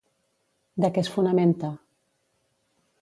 De què es fonamenta?